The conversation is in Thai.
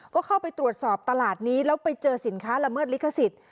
ก็เข้าไปตรวจสอบตลาดนี้แล้วไปเจอสินค้าละเมิดลิขสิทธิ์